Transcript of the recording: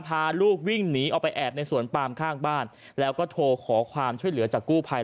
พาลูกวิ่งหนีออกไปแอบในสวนปามข้างบ้านแล้วก็โทรขอความช่วยเหลือจากกู้ภัย